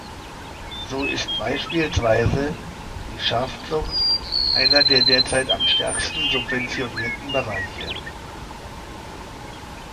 So ist beispielsweise die Schafzucht einer der derzeit am stärksten subventionierten Bereiche.